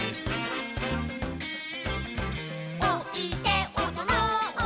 「おいでおどろう」